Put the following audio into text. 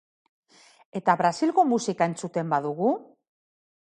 Eta Brasilgo musika entzuten badugu?